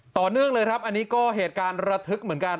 ต่อเนื่องเลยครับอันนี้ก็เหตุการณ์ระทึกเหมือนกัน